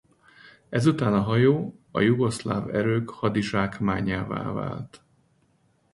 Ezután a hajó a jugoszláv erők hadizsákmányává vált.